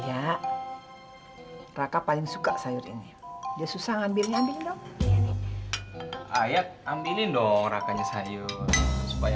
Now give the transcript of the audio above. ayah raka paling suka sayur ini dia susah ngambilnya ambil dong ayah ambilin dong rakanya sayur supaya